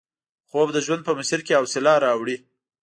خوب د ژوند په مسیر کې حوصله راوړي